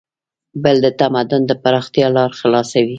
پل د تمدن د پراختیا لار خلاصوي.